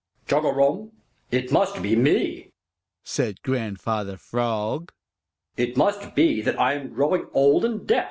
"Chugarum! It must be me," said Grandfather Frog. "It must be that I am growing old and deaf.